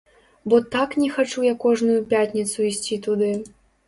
Бо так не хачу я кожную пятніцу ісці туды.